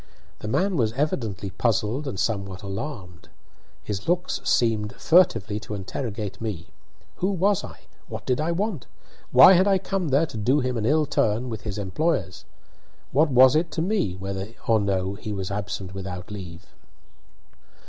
The man was evidently puzzled and somewhat alarmed. His looks seemed furtively to interrogate me. Who was I? What did I want? Why had I come there to do him an ill turn with his employers? What was it to me whether or no he was absent without leave?